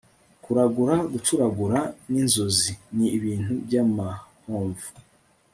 kuragura, gucuragura n'inzozi, ni ibintu by'amahomvu